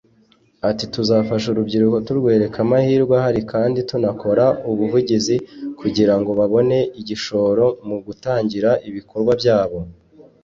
Ati ”Tuzafasha urubyiruko turwereka amahirwe ahari kandi tunakora ubuvugizi kugira ngo babone igishoro mu gutangira ibikorwa byabo